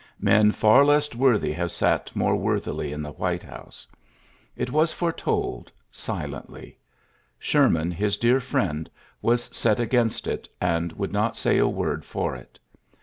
Men far less worthy have sat more worthily in the White House. It was foretold —* silently. Sherman, his dear friend, was set against it, and would not say a word . for it.